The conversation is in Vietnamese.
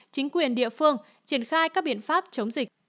chính quyền địa phương triển khai các biện pháp chống dịch